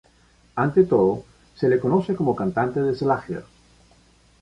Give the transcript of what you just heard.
Ante todo, se le conoce como cantante de Schlager.